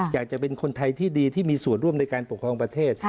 อยากจะเป็นคนไทยที่ดีที่มีส่วนร่วมในการปกครองประเทศ